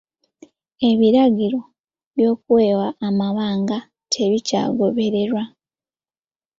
Ebiragiro by'okwewa amabanga tebikyagobererwa.